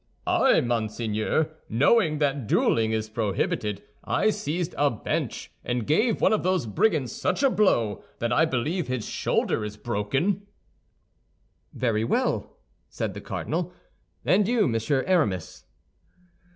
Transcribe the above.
"I, monseigneur, knowing that dueling is prohibited—I seized a bench, and gave one of those brigands such a blow that I believe his shoulder is broken." "Very well," said the cardinal; "and you, Monsieur Aramis?"